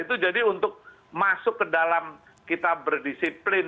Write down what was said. itu jadi untuk masuk ke dalam kita berdisiplin